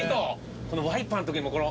このワイパーの時のこの。